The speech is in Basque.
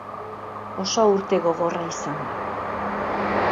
Oso urte gogorra izan da.